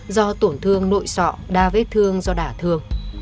do tổn thương nội sọ đa vết thương do đả thường